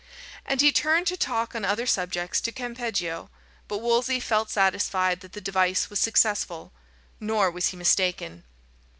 And he turned to talk on other subjects to Campeggio, but Wolsey felt satisfied that the device was successful. Nor was he mistaken.